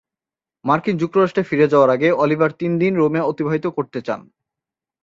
মার্কিন যুক্তরাষ্ট্রে ফিরে যাওয়ার আগে অলিভার তিন দিন রোমে অতিবাহিত করতে চান।